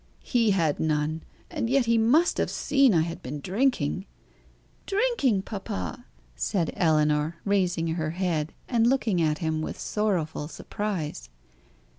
He had none, and yet he must have seen I had been drinking." "Drinking, papa!" said Ellinor, raising her head, and looking at him with sorrowful surprise.